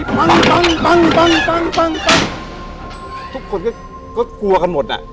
ปั้งปั้งปั้งปั้งปั้งปั้งทุกคนก็ก็กลัวกันหมดน่ะ